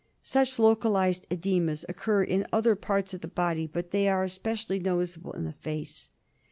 Such localised oedemas occur in other parts of the body, but they are specially noticeable in the face.